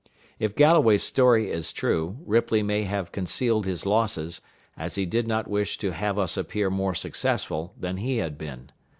If Galloway's story is true, Ripley may have concealed his losses, as he did not wish to have us appear more successful than he had been.